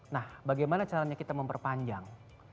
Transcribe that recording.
nah bagaimana caranya kita memperpanjang